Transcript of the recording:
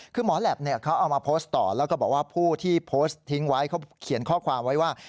คือหมอแหลปเขาเอามาโพสต์ต่อแล้วก็บอกว่าผู้ที่โพสต์ทิ้งไว้เขาเขียนข้อความไว้ว่า